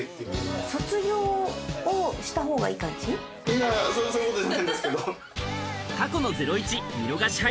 いやそういうことじゃないんですけど。